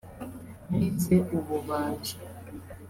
nize ububaji